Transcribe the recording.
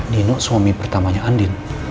nino suami pertamanya andi